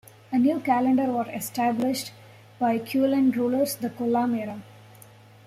A new calendar was established by Quilon rulers, the Kollam era.